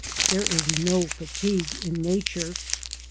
There is no fatigue in Nature.